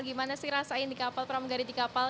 gimana sih rasain di kapal pramugari di kapal